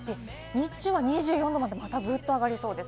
日中は２４度まで、またぐっと上がりそうです。